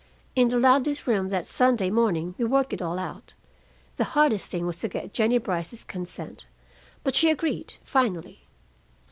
"In the Ladleys' room that Sunday morning, we worked it all out. The hardest thing was to get Jennie Brice's consent; but she agreed, finally.